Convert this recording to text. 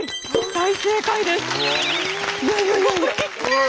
大正解です。